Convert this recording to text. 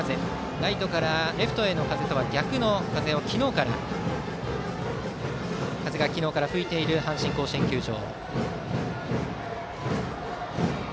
ライトからレフトへの風とは逆の風が昨日から吹いている阪神甲子園球場。